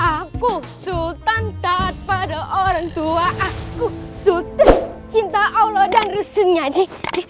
aku sultan tak pada orang tua aku sultan cinta allah dan rusuhnya di